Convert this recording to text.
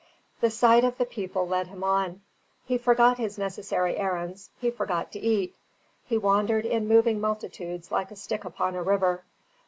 The sight of the people led him on. He forgot his necessary errands, he forgot to eat. He wandered in moving multitudes like a stick upon a river.